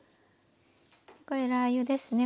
これラー油ですね。